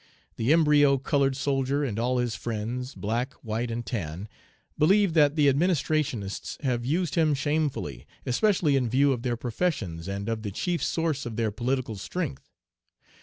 The embryo colored soldier and all his friends black, white and tan believe that the administrationists have used him shamefully, especially in view of their professions and of the chief source of their political strength.